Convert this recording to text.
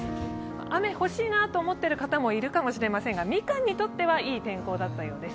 雨、欲しいなと思っている方もいるかもしれませんが、みかんにとっては、いい天候だったようです。